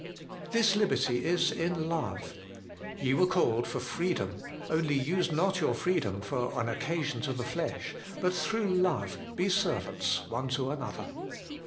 4. This liberty is in love. 'Ye were called for freedom ; only use not your freedom for an occasion to the flesh, but through love be servants, one to another.'